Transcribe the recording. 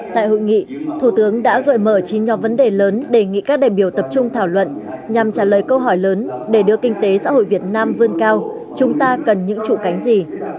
tại hội nghị thủ tướng đã gợi mở chín nhóm vấn đề lớn đề nghị các đại biểu tập trung thảo luận nhằm trả lời câu hỏi lớn để đưa kinh tế xã hội việt nam vươn cao chúng ta cần những trụ cánh gì